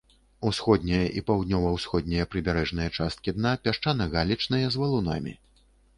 Усходняя і паўднёва-ўсходняя прыбярэжныя часткі дна пясчана-галечныя з валунамі.